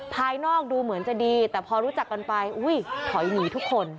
ภายนอกดูเหมือนจะดีแต่พอรู้จักกันไปอุ้ยถอยหนีทุกคน